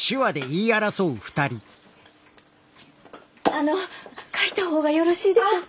あの書いた方がよろしいでしょうか？